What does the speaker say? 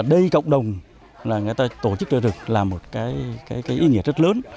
đây cộng đồng là người ta tổ chức cho rừng là một cái ý nghĩa rất lớn